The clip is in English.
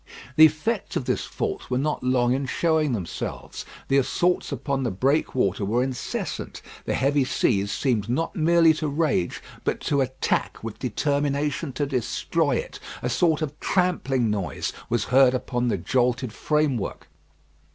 The effects of this fault were not long in showing themselves. The assaults upon the breakwater were incessant; the heavy seas seemed not merely to rage, but to attack with determination to destroy it. A sort of trampling noise was heard upon the jolted framework.